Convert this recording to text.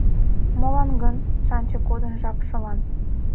Молан гын шанче кодын жапшылан